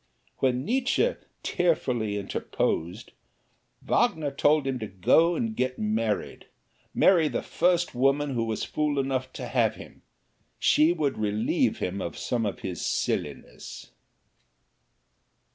When Nietzsche tearfully interposed, Wagner told him to go and get married marry the first woman who was fool enough to have him she would relieve him of some of his silliness.